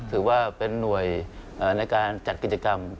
ถือว่าเป็นหน่วยในการจัดกิจกรรม